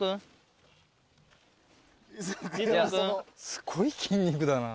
すごい筋肉だな。